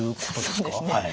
そうですね。